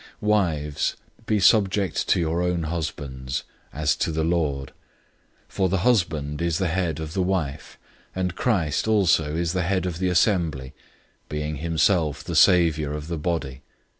005:022 Wives, be subject to your own husbands, as to the Lord. 005:023 For the husband is the head of the wife, and Christ also is the head of the assembly, being himself the savior of the body.